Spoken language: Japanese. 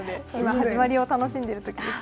始まりを楽しんでいるときです。